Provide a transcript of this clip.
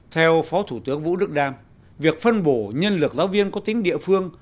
theo phó thủ tướng vũ đức đam việc phân bổ nhân lực giáo viên có tính địa phương